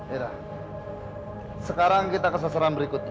irah sekarang kita kesesaran berikutnya